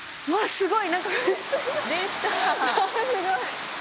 すごい！